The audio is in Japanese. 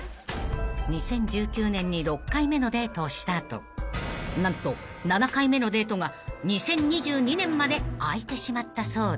［２０１９年に６回目のデートをした後何と７回目のデートが２０２２年まで空いてしまったそうで］